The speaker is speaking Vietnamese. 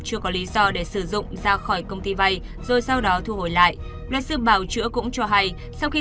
chưa có lý do để sử dụng ra khỏi công ty vay rồi sau đó thu hồi lại